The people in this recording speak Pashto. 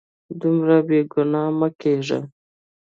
دومره بې ګناه مه کیږه